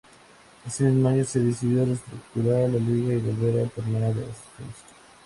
Ese mismo año se decidió reestructurar la liga y volver al torneo de ascenso.